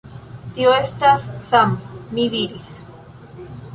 Tio estas Sam, mi diris.